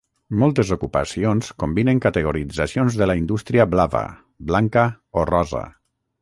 Moltes ocupacions combinen categoritzacions de la indústria blava, blanca o rosa.